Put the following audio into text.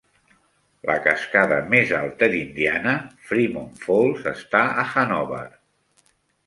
La cascada més alta d'Indiana, Fremont Falls, està a Hanover.